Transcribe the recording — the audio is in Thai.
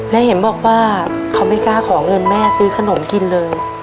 และเห็นบอกว่าเขาไม่กล้าขอเงินแม่ซื้อขนมกินเลย